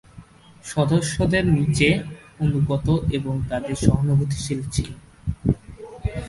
সদস্যদের নিচে "অনুগত", এবং তাদের "সহানুভূতিশীল" ছিল।